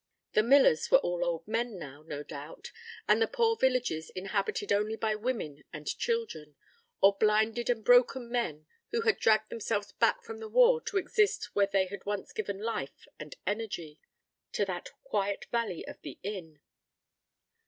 The millers were all old men now, no doubt, and the poor villages inhabited only by women and children. Or blinded and broken men who had dragged themselves back from the war to exist where they once had given life and energy to that quiet valley of the Inn.